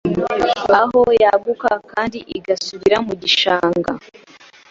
Aho yaguka kandi igasubira mu gishanga